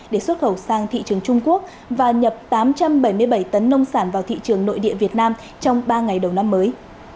để xuất khẩu sang thị trường trung quốc và nhập tám trăm bảy mươi bảy tấn nông sản vào thị trường nội địa việt nam trong ba ngày đầu năm mới